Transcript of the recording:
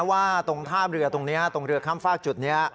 ว่าตรงท่าเรือตรงนี้ตรงเรือข้ามฝากจุดนี้